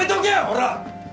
ほら！